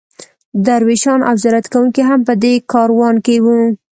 درویشان او زیارت کوونکي هم په دې کاروان کې وو.